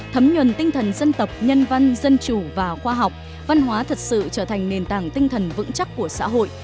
thấm nhuần tinh thần dân tộc nhân văn dân chủ và khoa học văn hóa thật sự trở thành nền tảng tinh thần vững chắc của xã hội